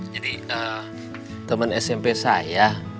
jadi temen smp saya